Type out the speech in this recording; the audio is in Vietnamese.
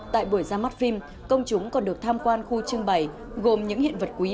tại buổi ra mắt phim công chúng còn được tham quan khu trưng bày gồm những hiện vật quý